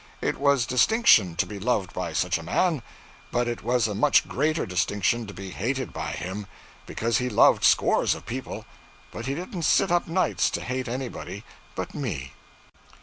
It was distinction to be loved by such a man; but it was a much greater distinction to be hated by him, because he loved scores of people; but he didn't sit up nights to hate anybody but me.